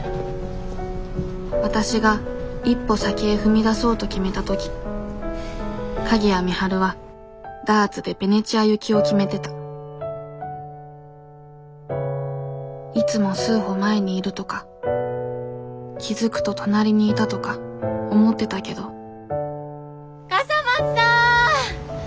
わたしが一歩先へ踏み出そうと決めた時鍵谷美晴はダーツでベネチア行きを決めてたいつも数歩前にいるとか気付くと隣にいたとか思ってたけど笠松さん！